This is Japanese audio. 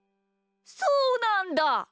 そうなんだ！